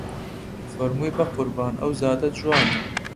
فەرمووی بە قوربان ئەو زاتە جوانە